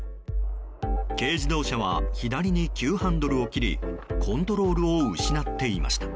軽自動車は左に急ハンドルを切りコントロールを失っていました。